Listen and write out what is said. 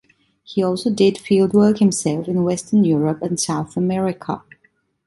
He also did field work himself in western Europe and South America.